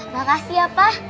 makasih ya pak